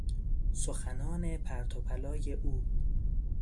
سخنان پرت و پلای او